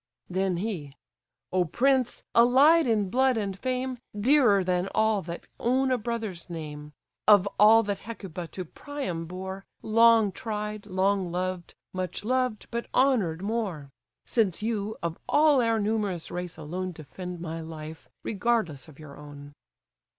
Then he: "O prince! allied in blood and fame, Dearer than all that own a brother's name; Of all that Hecuba to Priam bore, Long tried, long loved: much loved, but honoured more! Since you, of all our numerous race alone Defend my life, regardless of your own."